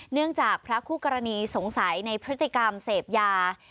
เนื่องจากพระคู่กรณีสงสัยในพฤติกรรมเสพยา